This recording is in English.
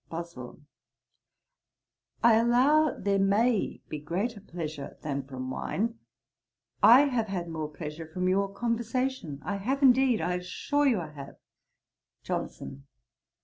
BOSWELL. 'I allow there may be greater pleasure than from wine. I have had more pleasure from your conversation, I have indeed; I assure you I have.' JOHNSON.